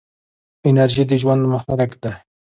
انرژي د ژوند محرک دی.